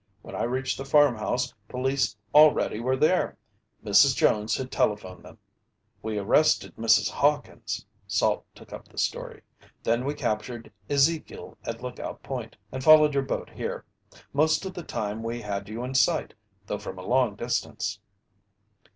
"When I reached the farmhouse, police already were there. Mrs. Jones had telephoned them." "We arrested Mrs. Hawkins," Salt took up the story. "Then we captured Ezekiel at Lookout Point, and followed your boat here. Most of the time we had you in sight, though from a long distance."